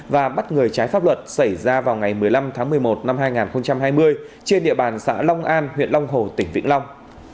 và bắt người trái pháp luật xảy ra vào ngày một mươi năm tháng một mươi một năm hai nghìn hai mươi trên địa bàn xã long an huyện long hồ tỉnh vĩnh long